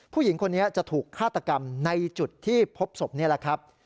ผู้หญิงคนนี้จะถูกฆาตกรรมในจุดที่พบศพนี่แหละครับ